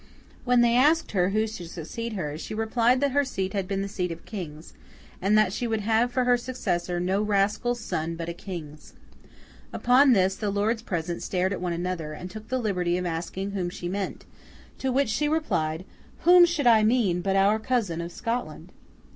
When they asked her who should succeed her, she replied that her seat had been the seat of Kings, and that she would have for her successor, 'No rascal's son, but a King's.' Upon this, the lords present stared at one another, and took the liberty of asking whom she meant; to which she replied, 'Whom should I mean, but our cousin of Scotland!